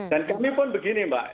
dan kami pun begini mbak